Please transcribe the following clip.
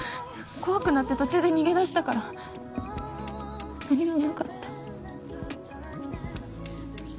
怖くなって途中で逃げ出したから何もなかった。